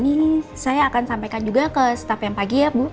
ini saya akan sampaikan juga ke staff yang pagi ya bu